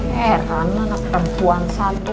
heran anak perempuan satu